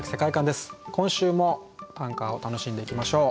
今週も短歌を楽しんでいきましょう。